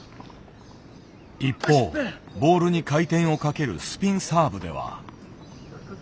一方ボールに回転をかけるスピンサーブでは。